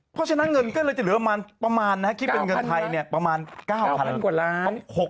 เพราะฉะนั้นเงินก็เลยจะเหลือประมาณคิดเป็นเงินไทยเนี่ยประมาณ๙๐๐กว่าล้าน